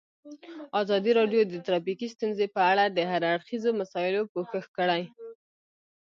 ازادي راډیو د ټرافیکي ستونزې په اړه د هر اړخیزو مسایلو پوښښ کړی.